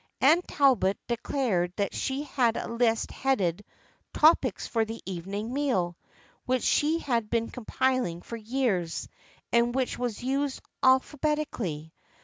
Anne Talbot declared that she had a list headed " Topics for the Evening Meal/' which she had been compiling for years, and which was used al phabetically.